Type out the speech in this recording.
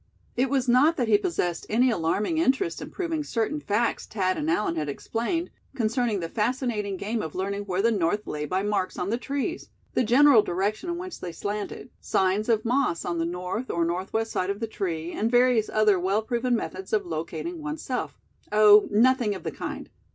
It was not that he possessed any alarming interest in proving certain facts Thad and Allan had explained, concerning the fascinating game of learning where the north lay by marks on the trees; the general direction in which they slanted; signs of moss on the north or northwest side of the tree, and various other well proven methods of locating one's self. Oh! nothing of the kind.